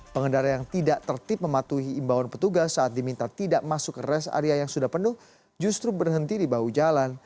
pengendara yang tidak tertip mematuhi imbauan petugas saat diminta tidak masuk ke rest area yang sudah penuh justru berhenti di bahu jalan